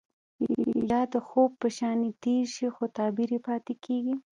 يا د خوب په شانې تير شي خو تعبير يې پاتې کيږي.